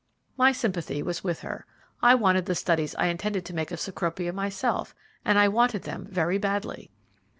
My sympathy was with her. I wanted the studies I intended to make of that Cecropia myself, and I wanted them very badly.